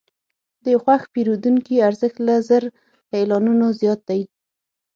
د یو خوښ پیرودونکي ارزښت له زر اعلانونو زیات دی.